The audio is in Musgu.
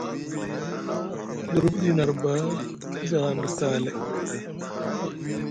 Girfudi nʼarba ku za hanɗa kaalay.